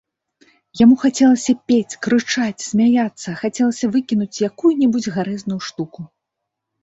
Яму хацелася пець, крычаць, смяяцца, хацелася выкінуць якую-небудзь гарэзную штуку.